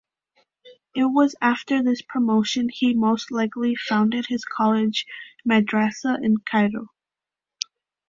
It was after this promotion he most likely founded his college (madrasa) in Cairo.